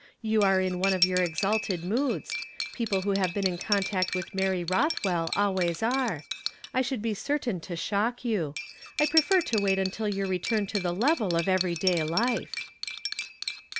You are in one of your exalted moods; people who have been in contact with Mary Roth well always are. I should be certain to shock you. I prefer to wait until you return to the level of every day life."